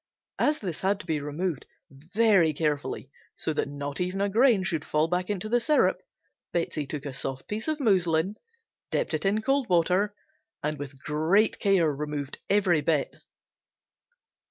As this had to be removed very carefully so that not even a grain should fall back into the syrup Betsey took a soft piece of muslin, dipped it in cold water and with great care removed every bit.